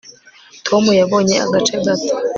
tom yabonye agace gato